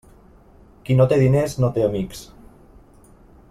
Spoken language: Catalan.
Qui no té diners no té amics.